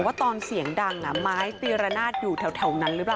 ว่าตอนเสียงดังไม้ตีระนาดอยู่แถวนั้นหรือเปล่า